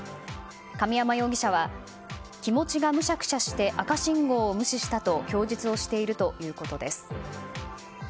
神山容疑者は気持ちがむしゃくしゃして赤信号を無視したと供述をしているということです。